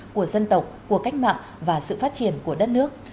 của dân tộc của cách mạng và sự phát triển của đất nước